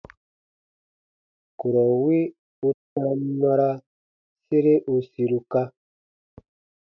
Kurɔ wi u tam nɔra sere u siruka.